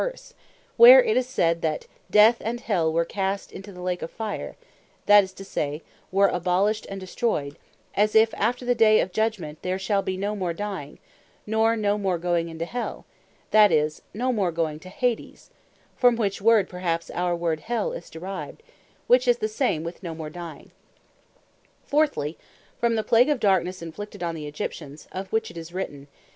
verse; where it is said, that "Death and Hell were cast into the Lake of Fire;" that is to say, were abolished, and destroyed; as if after the day of Judgment, there shall be no more Dying, nor no more going into Hell; that is, no more going to Hades (from which word perhaps our word Hell is derived,) which is the same with no more Dying. Utter Darknesse Fourthly, from the Plague of Darknesse inflicted on the Egyptians, of which it is written (Exod.